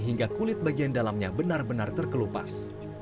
hingga kulit bagian dalamnya benar benar terkelupas